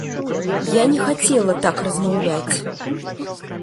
Я не хацела так размаўляць.